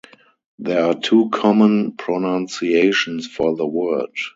There are two common pronunciations for the word.